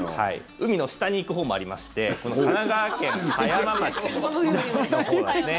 海の下に行くほうもありまして神奈川県葉山町のほうですね